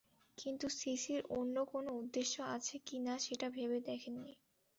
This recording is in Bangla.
কিন্তু সিসির অন্য কোনো উদ্দেশ্য আছে কি না, সেটা ভেবে দেখেননি।